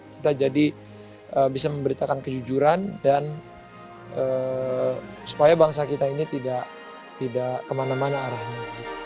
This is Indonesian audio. kita jadi bisa memberitakan kejujuran dan supaya bangsa kita ini tidak kemana mana arahnya